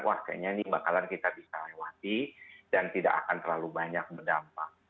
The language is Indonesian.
wah kayaknya ini bakalan kita bisa lewati dan tidak akan terlalu banyak berdampak